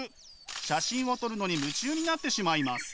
写真を撮るのに夢中になってしまいます。